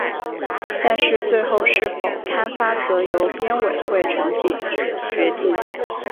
但是最后是否刊发则由编委会全体决定。